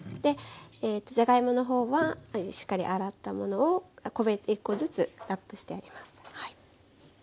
じゃがいものほうはしっかり洗ったものを１個ずつラップしてあげます。